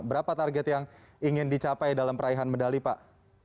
berapa target yang ingin dicapai dalam peraihan medali pak